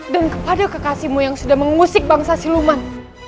dan kepada kekasihmu yang sudah mengusik bangsa siluman